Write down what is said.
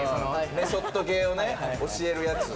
メソッド系、教えるやつ。